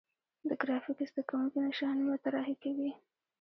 د ګرافیک زده کوونکي نشانونه طراحي کوي.